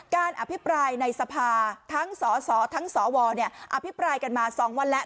การอภิปรายในสภาทั้งสสทั้งสวอภิปรายกันมา๒วันแล้ว